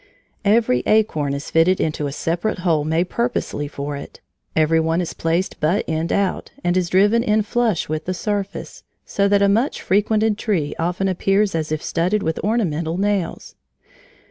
Every acorn is fitted into a separate hole made purposely for it, every one is placed butt end out and is driven in flush with the surface, so that a much frequented tree often appears as if studded with ornamental nails.